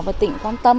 và tỉnh quan tâm